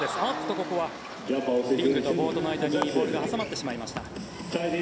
ここはリングとボードの間にボールが挟まってしまいました。